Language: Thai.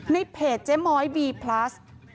ในเพจเจ๊ม้อยบีพลัส